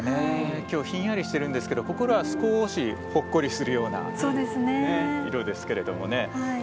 きょうひんやりしてるんですが心は少し、ほっこりするような色ですけども。